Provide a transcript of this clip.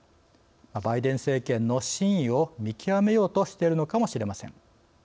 バイデン政権の真意を見極めようとしているのかもしれません。